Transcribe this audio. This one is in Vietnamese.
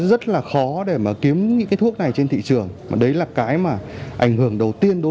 rất là khó để mà kiếm những cái thuốc này trên thị trường mà đấy là cái mà ảnh hưởng đầu tiên đối